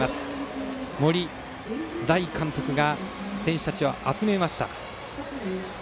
森大監督、選手たちを集めました。